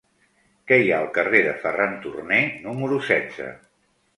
Què hi ha al carrer de Ferran Turné número setze?